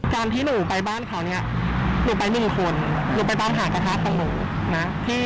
ที่หนูไปบ้านเขาเนี่ยหนูไปหนึ่งคนหนูไปตามหากระทะของหนูนะ